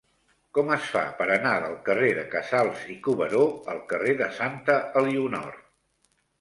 Com es fa per anar del carrer de Casals i Cuberó al carrer de Santa Elionor?